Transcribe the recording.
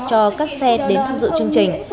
cho các xe đến tham dự chương trình